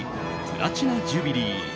プラチナ・ジュビリー。